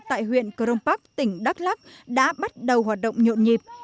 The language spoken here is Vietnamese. tại huyện cronpac tỉnh đắk lắk đã bắt đầu hoạt động nhộn nhịp